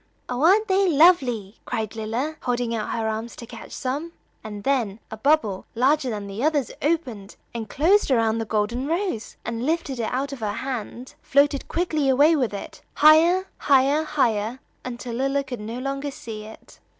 "Oh, aren't they lovely!" cried Lilla, holding out her arms to catch some; and then a bubble larger than the others opened, and closed around the golden rose, and lifted it out of her hand, floated quickly away with it, higher, higher, higher, until Lilla could no longer see it.